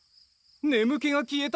眠気が消えた！？